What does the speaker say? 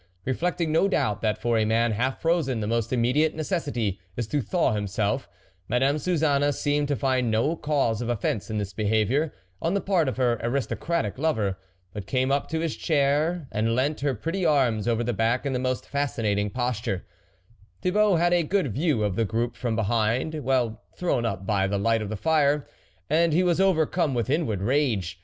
Reflecting no doubt, that for a man half frozen, the most immediate necessity is to thaw him self, Madame ^Suzanne seemed to find no cause of offence in this behaviour on the part of her aristocratic lover, but came up to his chair and leant her pretty arms over the back in the most fascinating posture Thibault had a good view of the group from behind, well thrown up by the light of the fire, and he was overcome with inward rage.